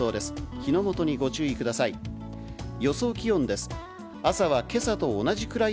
火の元にご注意ください。